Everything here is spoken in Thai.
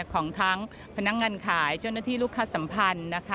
ของทั้งพนักงานขายเจ้าหน้าที่ลูกค้าสัมพันธ์นะคะ